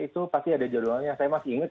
itu pasti ada jadwalnya saya masih ingat